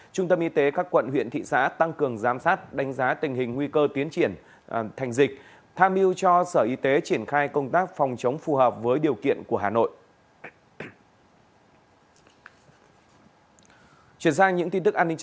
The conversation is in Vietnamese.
trung tâm y tế các quận huyện thị xã tăng cường giám sát đánh giá tình hình nguy cơ tiến triển thành dịch tham mưu cho sở y tế triển khai công tác phòng chống phù hợp với điều kiện của hà nội